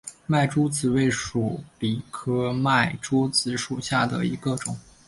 麦珠子为鼠李科麦珠子属下的一个种。